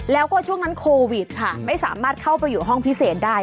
แล้วก็ช่วงนั้นโควิดค่ะไม่สามารถเข้าไปอยู่ห้องพิเศษได้